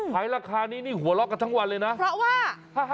ราคานี้นี่หัวเราะกันทั้งวันเลยนะเพราะว่า